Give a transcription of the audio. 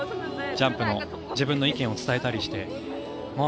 ジャンプの、自分の意見を伝えたりして。